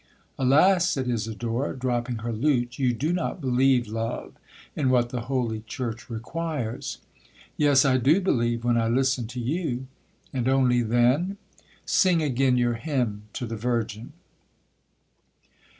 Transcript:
'—'Alas!' said Isidora, dropping her lute, 'you do not believe, love, in what the Holy Church requires.'—'Yes, I do believe, when I listen to you.'—'And only then?'—'Sing again your hymn to the Virgin.'